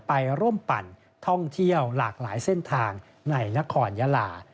ไปร่วมปั่นท่องเที่ยวหลากหลายเส้นทางในนครยาลา